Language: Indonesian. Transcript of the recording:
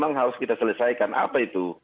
memang harus kita selesaikan apa itu